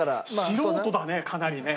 素人だねかなりね。